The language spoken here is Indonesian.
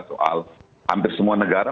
soal hampir semua negara